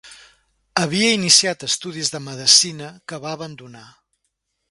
Havia iniciat estudis de medicina, que va abandonar.